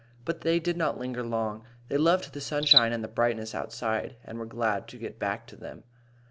But they did not linger long. They loved the sunshine and the brightness outside, and were glad to get back to them.